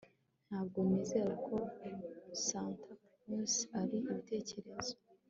Ntabwo nizera ko Santa Claus ari ibitekerezo